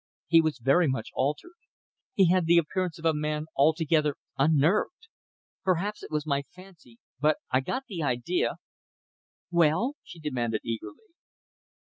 He was very much altered. He had the appearance of a man altogether unnerved. Perhaps it was my fancy, but I got the idea " "Well?" she demanded eagerly.